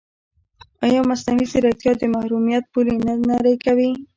ایا مصنوعي ځیرکتیا د محرمیت پولې نه نری کوي؟